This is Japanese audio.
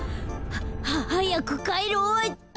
ははやくかえろうっと。